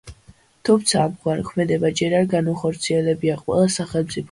თუმცა ამგვარი ქმედება ჯერ არ განუხორციელებია ყველა სახელმწიფოს.